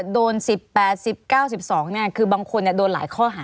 โดนสิบแปดสิบเก้าสิบสองเนี่ยคือบางคนเนี่ยโดนหลายข้อหา